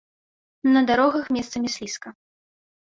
На дарогах месцамі слізка.